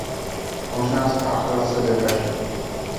Možná spáchala sebevraždu.